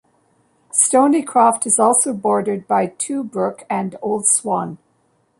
Stoneycroft is also bordered by Tuebrook and Old Swan.